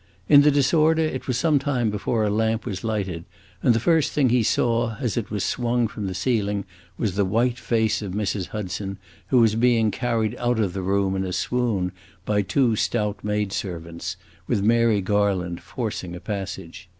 In the disorder, it was some time before a lamp was lighted, and the first thing he saw, as it was swung from the ceiling, was the white face of Mrs. Hudson, who was being carried out of the room in a swoon by two stout maid servants, with Mary Garland forcing a passage.